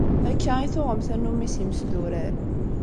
Akka i tuɣem tannumi s yimesdurar.